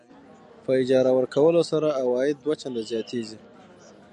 په اجاره ورکولو سره عواید دوه چنده زیاتېږي.